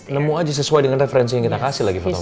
nemu aja sesuai dengan referensi yang kita kasih lagi foto